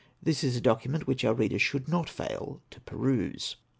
This is a document which our readers should not fail to peruse.